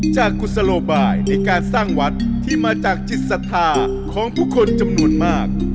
กุศโลบายในการสร้างวัดที่มาจากจิตศรัทธาของผู้คนจำนวนมาก